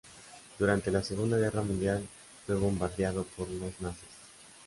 Durante la Segunda Guerra Mundial, fue bombardeado por los nazis.